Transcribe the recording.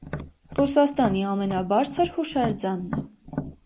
Ռուսաստանի ամենաբարձր հուշարձանն է։